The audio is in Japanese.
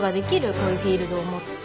こういうフィールドを持って。